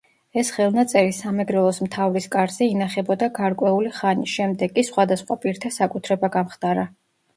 ეს ხელნაწერი სამეგრელოს მთავრის კარზე ინახებოდა გარკვეული ხანი, შემდეგ კი სხვადასხვა პირთა საკუთრება გამხდარა.